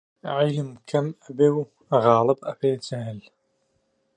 عیلم کەم ئەبێ و غاڵب ئەبێ جەهل